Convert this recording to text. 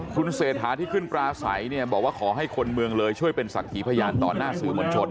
คุณเศรษฐาที่ขึ้นปลาใสเนี่ยบอกว่าขอให้คนเมืองเลยช่วยเป็นศักดิ์พยานต่อหน้าสื่อมวลชน